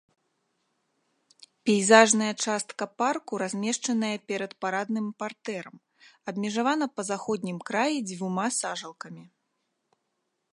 Пейзажная частка парку размешчаная перад парадным партэрам, абмежавана па заходнім краі дзвюма сажалкамі.